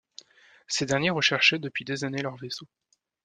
Ces derniers recherchaient depuis des années leur vaisseau.